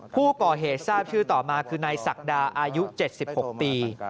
ผู้ก่อเหตุทราบชื่อต่อมาคือนายศักดาอายุ๗๖ปี